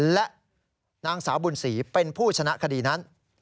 และนางสาวบุญศรีเป็นผู้ชนะคดีนั้น